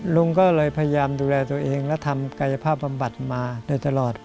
ลุงก็เลยพยายามดูแลตัวเองและทำกายภาพบำบัดมาโดยตลอด